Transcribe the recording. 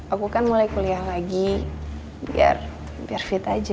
aku kan mulai kuliah lagi biar fit aja